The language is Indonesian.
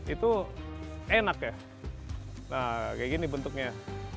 itu enak ya kayak gini bentuknya